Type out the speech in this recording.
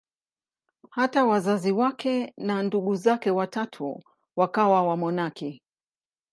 Hata wazazi wake na ndugu zake watatu wakawa wamonaki.